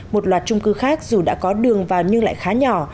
một loạt trung cư khác dù đã có đường vào nhưng lại khá nhỏ